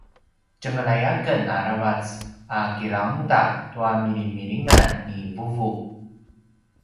tjengelay aken aravac a kilangeda tua milimilingan ni vuvu